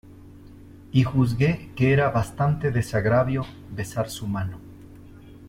y juzgué que era bastante desagravio besar su mano.